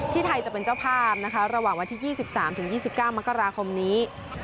ไทยจะเป็นเจ้าภาพนะคะระหว่างวันที่๒๓๒๙มกราคมนี้